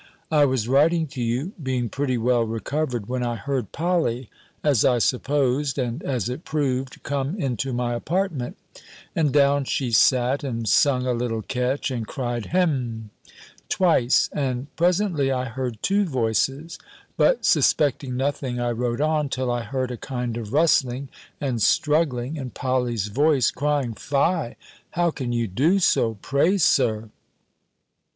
I was writing to you, being pretty well recovered, when I heard Polly, as I supposed, and as it proved, come into my apartment: and down she sat, and sung a little catch, and cried, "Hem!" twice; and presently I heard two voices. But suspecting nothing, I wrote on, till I heard a kind of rustling and struggling, and Polly's voice crying, "Fie How can you do so! Pray, Sir."